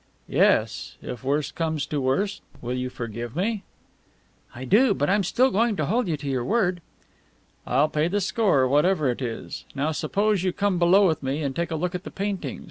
"Yes if worse comes to worse. Will you forgive me?" "I do. But still I'm going to hold you to your word." "I'll pay the score, whatever it is. Now suppose you come below with me and take a look at the paintings?